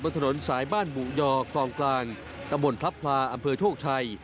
บนถนนสายบ้านหมูยอกล่องกลางตะมนต์พลับพลาอำเภอโชคชัย